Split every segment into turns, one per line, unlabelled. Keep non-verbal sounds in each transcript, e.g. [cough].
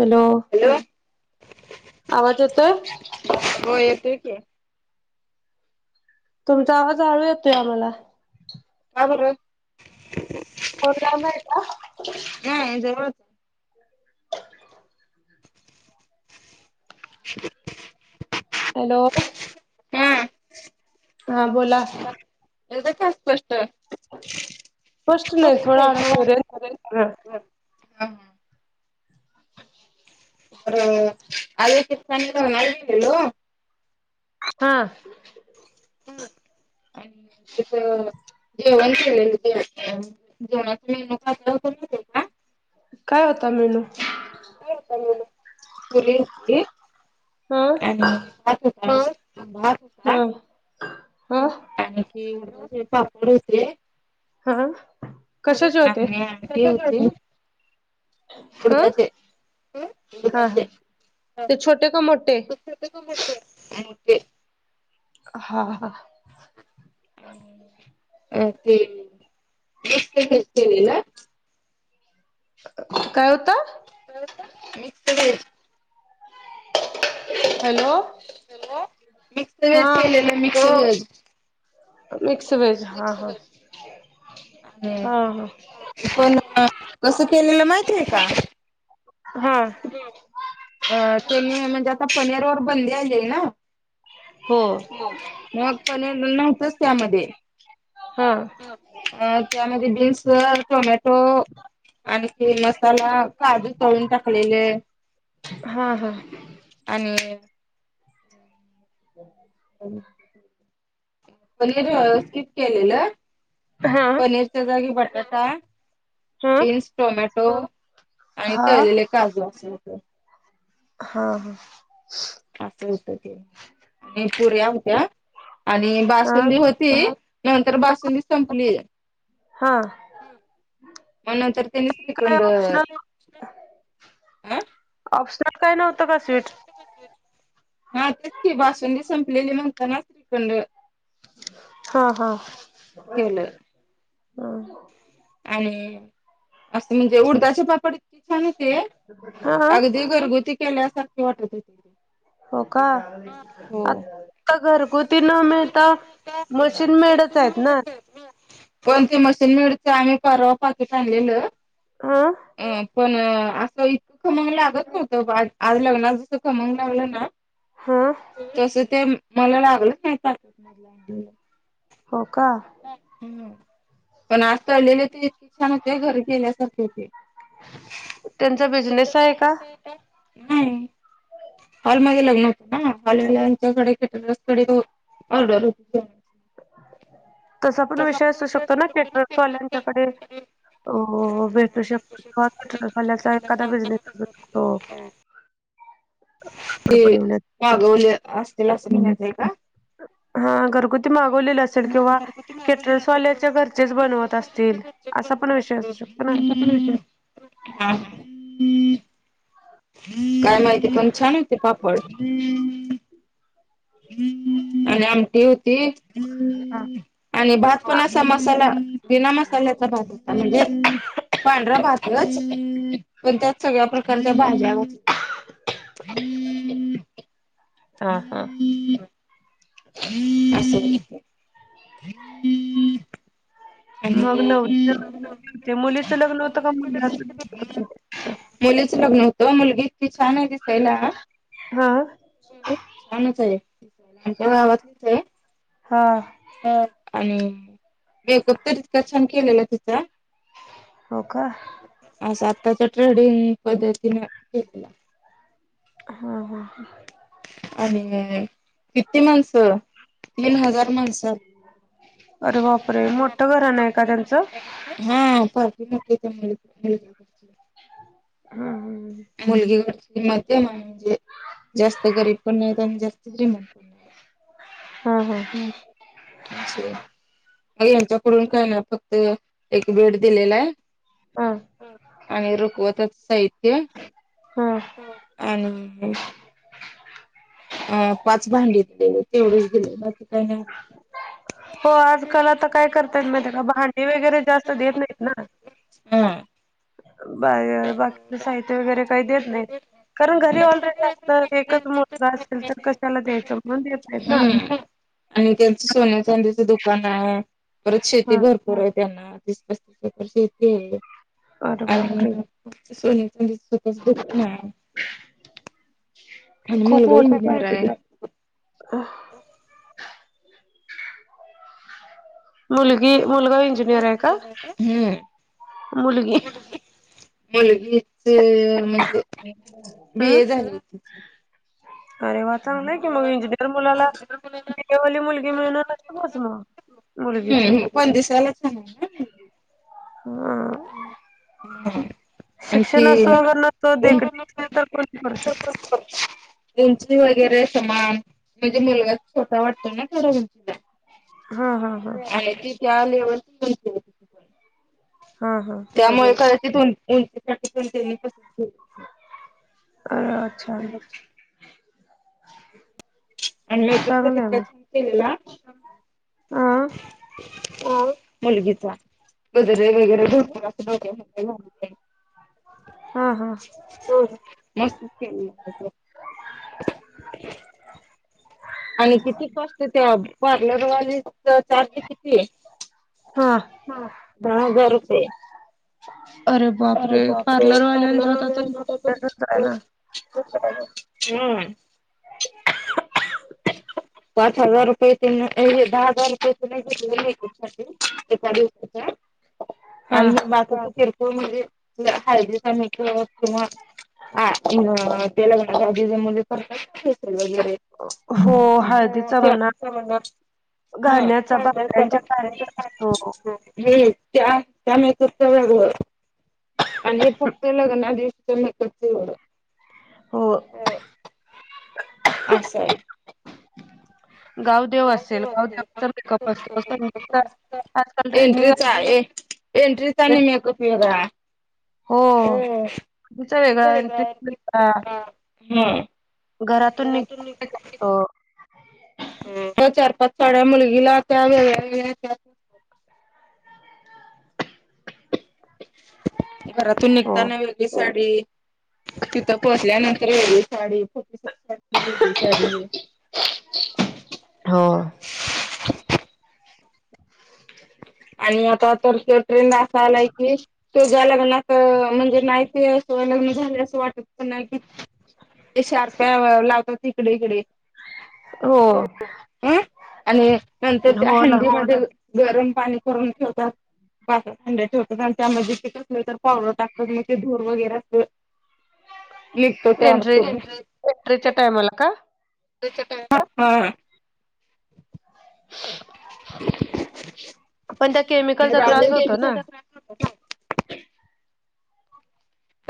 Hello
hello
आवाज येतोय
हो येतोय की
तुमचा आवाज हळू येतोय आम्हाला
का बर
फोन लावलाय का
हम दरोज [unintelligible]
हॅलो ब
हा
हा बोला
एदा ख स्पष्ट
फस्ट नाही थोड आडक
हा
तोयार
मर अल त स नलवील.
हा
ह आणि तथ जेवण केले जेवणाचा मेणू काय काय होतं तिकडचा
काय होता मेनू
काय होतं मेनू पूरी होती
हा
आणि भा ह भात
हम्म
ह आणखी पापड होते
हा
अ
कशाचे होते
आणि आमटी होती [inaudible] [unintelligible]
हा
उडदाचे हम
हा
उडदाचे
हा ते छोटे का मोठे
तु मोठे
हा हा
अ अ ते बसत केले ना
काय होता
काय होत mix veg
hello
hello mix
हा
वहेज केलेलं मिक्स
मिक्स वेज हा हा
आणि
हा हा!
पण कसं केलेलं माहितीय का?
ह!
अ ते मी म्हणजे आता पनीर वर बंदी आणली ना?
हो
मग पण नव्हतच त्यामध्ये
हम!
अ त्यामध्ये भेसळ टोमॅटो आणखी मसाला काजू तळून टाकलेले.
हा हा!
आणि
हम् [unintelligible]
हॅलो! पनीर व्यवस्थित केलेलं
हा
पनीरच्या जागी बटाटा
हा
बीन्स टोमॅटो आणि
हा
तळलेले काजू अस होत.
हा हा!
असं होत ते आणि पुऱ्या होत्या आणि
हा अ
बासुंदी होती. नंतर बासुंदी संपली.
हा!
मग ते नंतर तिन्हीच
काय
तिकडून.
ऑप्शनल
आ!
ऑप्शट काही नव्हतं का स्वीट.
हा तेच की बाासुंदी संपलेली म्हणता ना श्रीखंड
हो हो
केलं
हो!
आणि असं म्हणजे उडदाचे पापड छान होते
हा
अगदी घरगुती केल्यासारखे वाटत होते. ते
हो का?
हो
आता घरगुती न मिळता मशीन मेडच आहेत ना.
कोणती मशीन मिळते आम्ही परवा पाकिट आणल्याल.
ह
अ पण असं इ- खमंग लागत नव्हतं बाळ आज लग्ना जसं खमंगग लागलं ना
हो!
तस ते मला लागलं नाही ताक.
हो का.
पण आज तळलेले ते इतके छान होते घरी गेल्यासारखे होते.
त्यंचा बिजनेस आहे का?
नाही! हॉलमध्ये लग्न होतं ना हॉल वाल्यांच्याकडे कॅटर्स कडे तो ऑर्डर होत. [inaudible]
तसा पण विषय असू शकतो ना कॅटर्स वाल्यांच्याकडे हो भेटू शकतो फल्याचा एखादा बिझनेस करू शकतो [unintelligible]
ते
कापड बनवण्याचा
मागवले असतील असं म्हणायच हाय का.
हा घरगुती मागवलेली असेल किंवा केटरसवाल्याच्या घरचेच बनवत असतील असा पण विषय असू शकतो ना.
हा! काय माहिती पण छान होते पापड. आणि आमटी होती.
हा
आणि भात पण असा मसाला बिना मसाल्याचा भात म्हणजे पांढरा भातच पण त्यात सगळ्या प्रकारच्या भाज्या घातल्याल्या. हम्म!
हा हा
हम्म
मग नव
आणि
ल हो मुलीचं लग्न होतं का मुलाच लग्न होत.
मुलीच लग्न होतं मुलगी इतकी छान आहे दिसायला.
हा.
छानच आहेच्या गावातलीच आहे.
हा
आणि मेकअप तर इतका छान केलेला तिचा
हो का
असं आताच्या ट्रेडिंग पद्धतीने केलेलं.
हा हा ह
आणि किितती माणसं म हजार माणस
अरे बापरे मोठं घराणं आहे का त्यांचं?
हा परती नक तर
हा हा
मुलगी घड मध्यम आहे म्हणजे जास्त गरीब पण नाही आणि जास्त तरी म्हण
हम हम
हम्मश मग यांच्याकडून काय ना फक्त एक बेड दिलेला आहे.
हा.
आणि रुकवतच सहित
ह
आणि अ पाच भांडी दिले तेवढेच दिेले बाकी काही नाही.
हो आजकाल आता काय करतायेत माहिती का भांडी वगैरे जास्त देत नाहीत ना
हा.
बा बाकीच साहित्य वगैरे काही देत नाहीत. कारण घरी ऑलरेडी असत एकच मुलगा असेल तर कशाला द्यायचं. म्हणून देत नाहीत ना.
हम्म आणि त्यांचं सोन्या चांदीचं दुकान आहे. परत शेती
हा
भरपूर आहे त्यांना तीस पस्तीस एकर शेती आहे
अरे बापरे
आणि सोनचंतच दुकन आहे. आणि
खूप
मुलगा
मोठी पार्टी मुलगी मुलगा इंजिनियर आहे का
हम्म
मुलगी
मुलगीच म्हणजे बी
हम्म
ए झाली.
अरे वा चांग नाही की मग इंजिनिअर मुलाला बवाली मुलगी मिळणारच मग मुलगीच.
हम्म पण दिसालाचां
हम्म शिक्षण
आणखी
असो अगर नसो देखणी असल तर कोण करू शकतो.
उंची वगैरे समान म्हणजे मुलगा छोटा वाटतो ना थोड्या उंचीला
हा हा हा
ती त्यालेवल
हा हा
त्यामुळे कदाचित उंचीसाठीतेनी पस के
अ अच्छा.
आणि मेकअप तर
चांगलं आहे
इतका छान केलेला.
आह
ह मुलगीचा गजरे वगैरे भरपूर अस.
हा हं
हो मस्त के. आणि किती कॉस्ट त्या पार्लरवाली चार्ज किती हा दहा हजार रुपये.
अरे
अ
बापरे पार्लरवाल्यांचा आता तर तसंच आहे ना
हम्म पाच हजार रुपये त दहा हजार रुपये त नाही घेतले नाही कु एका दिवसाच्या
हा
आणि बात किरकोळ म्हणजे हाज किंवा हा तेलागणजी ज मुले असेल वगैरे
हा
ह ना हा
घाण्याचा बायांच्या घाण्याचा असतो
त्या, त्या महत त्या वग आणि फक्त लग ना दिक
हो
असं
असेल
गावदेव असेला
गावदेवाचा मेकअप असतो संगीतचा आजकाल ट्रेंडिंग
एंट्रीच आहे
आहे.
एंट्रीचानी मेकअप वेगळा
हो
हम
तिचा वेगळा इंटरेस्ट वेगळा घरातून निघ कात
चार पाच साड्या मुलगीला त्या वेळेच्या घरातून
हो
निघताना वेगळी साडी तिथं पोहचल्यानंतर वेगळी साडी फ वेगळी साडी ते
हो
आणि आता तर ट्रेंड असा आलाय की तो ज्या लग्नात म्हणजे नाही ते अस लग्न झाले असं वाटत प नाही कि ते शारप्या लावतात. तिकडे, इकडे
हो
ह आणि नंतर त्या
हो ना
हंडी मध्ये गरम पाणी करून ठेवतात पाच एक हंड्याच होत कारण त्यामध्ये ते कसलं तर पावडर टाकलेल ते धूर वगैरे असतोय निघतो
एंट्री
त्यातून
एंट्रीच्या टायमला का
एंट्रीच्या टाइमाला हा
पण त्या केमिकलचा त्रास होतो ना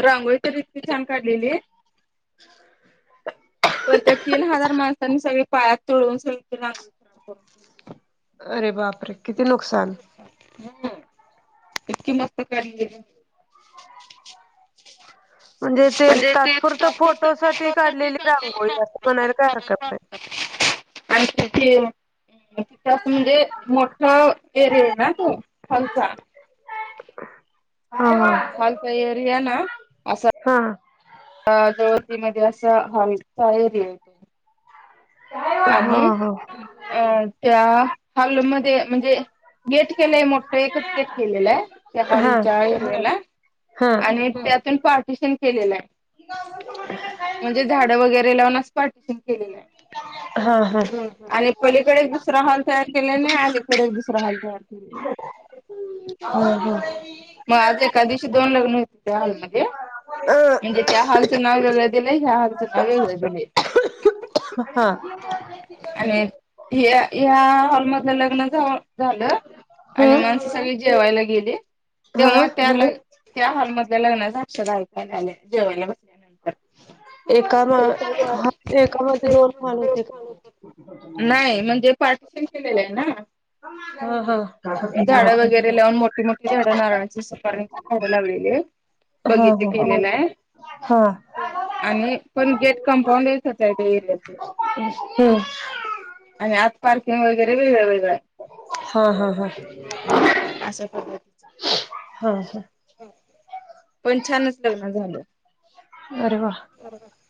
रांगोळी तर इतकी छान काढलेली
[inaudible]
पण त्या तीन हजार माणसांनी सगळी पायात तुडवून सगळी रांगोळी
अरे बापरे! किती नुकसान
हम. इतकी मस्त काढली म्हणजे ते
तात्पुरतं
तात्पुरत फोटो साठी काढलेली
रांगोळी असं म्हणायला काय
रांगोळी
हरकत नाही.
म्हणून आणि तिथे तिथे असं म्हणजे मोठ एरिया आहे ना तो खालचा
ह,
हॉलचा एरिया
हा
अ जवळीमध्ये असा हॉलचा एरिया होतो
हा हो
आणि
हो
अ त्या हल मध्ये म्हणजे गेट केलंय मोठं एकच गेट केलेलं आहे त्या
हा
हॉलच्या एरियाला
हा
आणि त्यातून पार्टिशन केलेलं आहे म्हणजे झाड वगैरे लावूनच पार्टिशन केलेलं आहे
हा हा हा
आणि पलीकडे एक दुसरा हॉल तयार केला नाही अलीकडे दुसरा हॉल तयार केलेला आहे
हो, हो
म आज एकदिवशी दोन लग्न होतीत. त्या हॉल मध्ये.
अ
म्हणजे त्या हॉलच नाव वगळ दिलंय. ह्या हॉलचं नाव वगळ दिलंय
हा
आणि या हॉलमधलं लग्न जव झालं आणि म अशे
हम्म
सगळी जेवायला गेली
हा
तेव्हा त्या- त्याल हॉल मध्ये लग्नाच्या अक्षदा ऐकायला आल्या जेवायला बसल्यानं
एका मा
एखदया फक्त
हा एकामध्ये दोन
याच्या मध्ये. [unintelligible]
मान
खूप
होते
छान
का
होतात नाही म्हणजे पार्टिशन केलेलं आहे ना.
हा हा. हा
झाडं वगैरे लावून मोठी मोठी झाडं नारळाची सुपारीची झाडं लावलेली येत. बगीचे
हा
केलेले हाय.
हा
हो आणि एक पण गेट कंपाऊंड एकच हाय त्या एरियाचं.
हम्म हो.
आणि आज पार्किंग वगैरे वेगळ वेगळ हाय.
हा हा हा.
अशा पद्धतीच
हा हा.
पण छानच लग्न
[unintelligible]
झालं.
आरे वा.
बरोबर.